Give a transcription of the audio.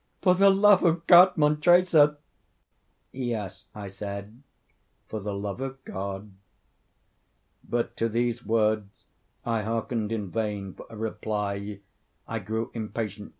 "For the love of God, Montressor!" "Yes," I said, "for the love of God!" But to these words I hearkened in vain for a reply. I grew impatient.